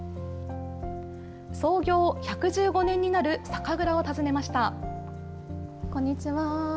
創業１１５年になる酒蔵を訪ねました。